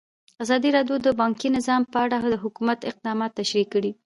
ازادي راډیو د بانکي نظام په اړه د حکومت اقدامات تشریح کړي.